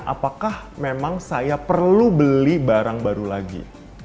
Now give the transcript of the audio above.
apakah memang saya perlu beli barang baru lagi